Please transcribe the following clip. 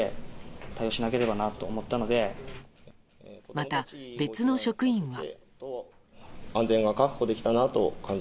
また、別の職員は。